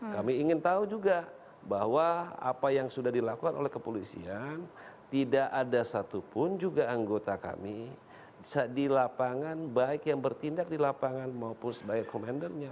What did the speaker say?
kami ingin tahu juga bahwa apa yang sudah dilakukan oleh kepolisian tidak ada satupun juga anggota kami di lapangan baik yang bertindak di lapangan maupun sebagai komendernya